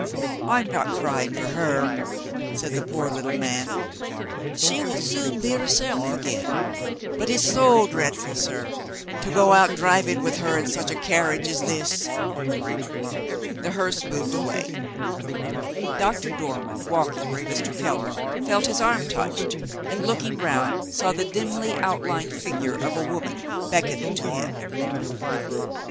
"I'm not crying for her," said the poor little man; "she will soon be herself again. But it's so dreadful, sir, to go out driving with her in such a carriage as this!" The hearse moved away. Doctor Dormann, walking with Mr. Keller, felt his arm touched, and, looking round, saw the dimly outlined figure of a woman beckoning to him.